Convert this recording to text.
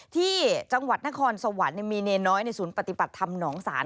ที่จังหวัดนครสวรรค์มีเนรน้อยในศูนย์ปฏิบัติธรรมหนองศาล